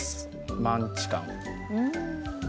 マンチカン。